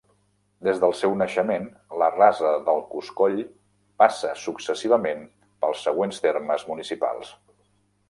Des del seu naixement, la Rasa del Coscoll passa successivament pels següents termes municipals.